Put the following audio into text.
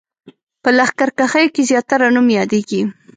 په لښکرکښیو کې زیاتره نوم یادېږي.